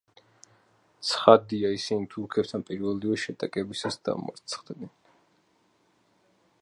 ცხადია ისინი თურქებთან პირველივე შეტაკებისას დამარცხდნენ.